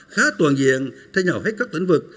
khá toàn diện thay nhau hết các tỉnh vực